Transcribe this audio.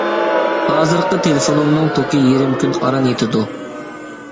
ھازىرقى تېلېفونۇمنىڭ توكى يېرىم كۈن ئاران يېتىدۇ.